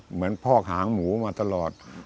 เหมือนพอกหางหมูมาตลอด